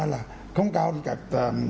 là không cao như các